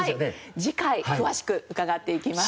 次回詳しく伺っていきます。